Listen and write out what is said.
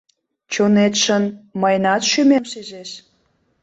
Чонетшым мыйынат шӱмем шижеш!